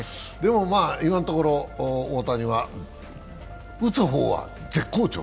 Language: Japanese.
今のところ大谷は打つ方は絶好調。